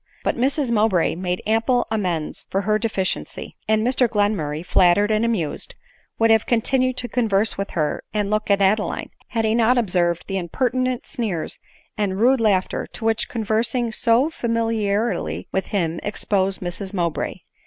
But Mrs Mowbray made ample amends for her de *« 28 ADELINE MOWBRAY. s ficiency; and Mr Glenmurray, flattered and amused, would have continued to converse with her and look at Adeline, had he not observed the impertinent sneers and rude laughter to which conversing so familiarly with him exposed Mrs Mowbray.